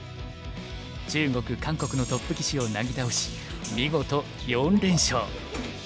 中国韓国のトップ棋士をなぎ倒し見事４連勝。